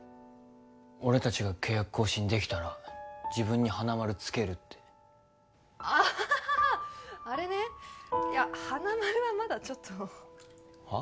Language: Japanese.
俺達が契約更新できたら自分に花丸つけるってあはははあれねいや花丸はまだちょっとは？